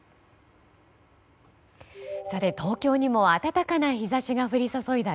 東京にも暖かな日差しが降り注いだ